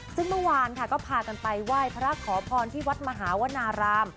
ซึ่งเมื่อวานค่ะก็พากันไปไหว้พระขอพรที่วัดมหาวนาราม